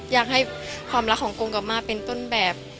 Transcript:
อยากให้ความรักของกงกลับมาเป็นต้นแบบ